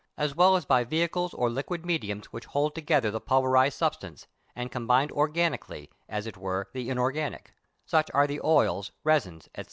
as well as by vehicles or liquid mediums which hold together the pulverized substance, and combine organically, as it were, the unorganic; such are the oils, resins, &c.